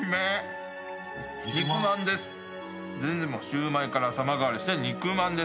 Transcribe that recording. シューマイから様変わりして肉まんです。